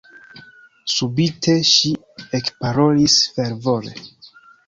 Subite ŝi ekparolis fervore: